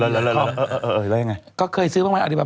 อะไรเออแล้วยังไงก็เคยซื้ออาลีบาบาร์